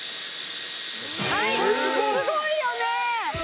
はいすごいよね